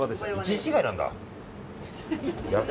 １字違いなんだ。